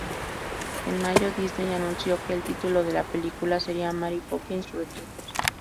En mayo, Disney anunció que el título de la película sería "Mary Poppins Returns".